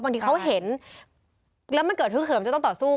บางทีเขาเห็นแล้วมันเกิดฮึกเหิมจะต้องต่อสู้